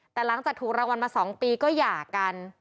แต่หลังจากถูกรางวัลมา๒ปีก็หย่ากัน